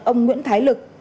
ông nguyễn thái lực